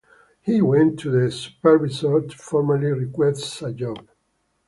He went to the supervisor to formally request a job.